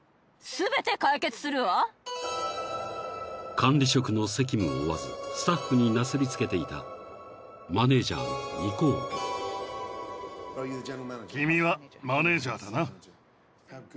［管理職の責務を負わずスタッフになすり付けていたマネジャーのニコール］